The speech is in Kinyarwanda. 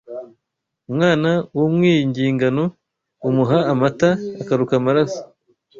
Umwana w'umwingingano umuha amata akaruka amaraso